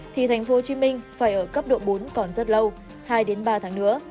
thì tp hcm phải ở cấp độ bốn còn rất lâu hai ba tháng nữa